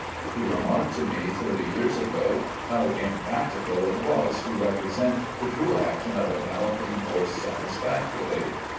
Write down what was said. He remarked to me thirty years ago how impracticable it was to represent the true action of a galloping horse satisfactorily.